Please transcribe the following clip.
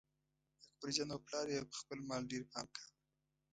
اکبرجان او پلار یې په خپل مال ډېر پام کاوه.